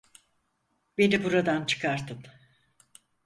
Beni buradan çıkartın!